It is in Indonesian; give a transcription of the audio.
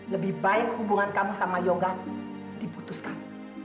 lebih baik hubungan kamu sama yoga diputuskan